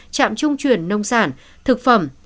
trạm trung chuyển nông sản thực phẩm